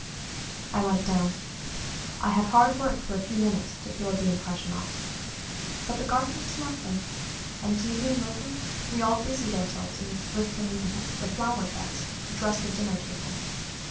I went down. I had hard work for a few minutes to throw the impression off. But the garden was lovely, and tea being over, we all busied ourselves in rifling the flowerbeds to dress the dinner table.